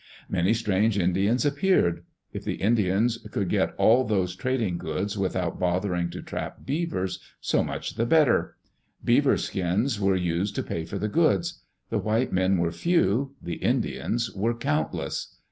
Many strange Indians appeared. If the Indians could get all those trading goods without bother ing to trap beavers, so much the better I Beaver skins were used to pay for the goods. The white men were few; the Indians were countless.